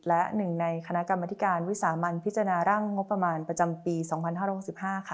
และหนึ่งในคณะกรรมธิการวิสามันพิจารณาร่างงบประมาณประจำปี๒๕๖๕ค่ะ